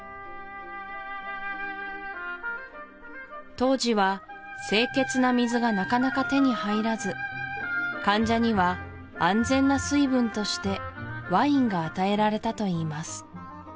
当時は清潔な水がなかなか手に入らず患者には安全な水分としてワインが与えられたといいます